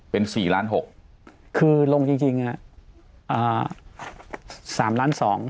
เป็นสี่ล้านหกคือลงจริงจริงฮะอ่าสามล้านสอง